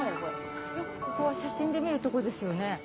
よくここは写真で見るとこですよね。